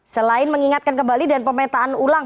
selain mengingatkan kembali dan pemetaan ulang